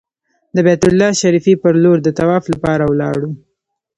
د بیت الله شریفې پر لور د طواف لپاره ولاړو.